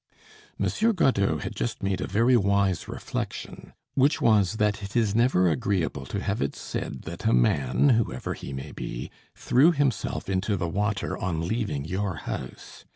Monsieur Godeau had just made a very wise reflection, which was that it is never agreeable to have it said that a man, whoever he may be, threw himself into the water on leaving your house.